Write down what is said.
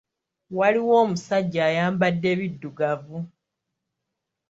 Waliwo omusajja ayambadde biddugavu.